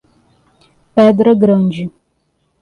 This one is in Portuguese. Pedra Grande